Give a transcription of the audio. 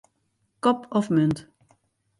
Kop of munt.